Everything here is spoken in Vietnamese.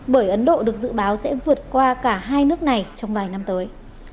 bởi ấn độ được dự báo sẽ vượt qua cả hai nước này trong vài năm tới